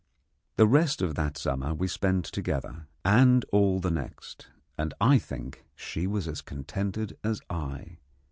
The rest of that summer we spent together, and all the next, and I think she was as contented as I.